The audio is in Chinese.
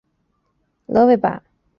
勒维巴。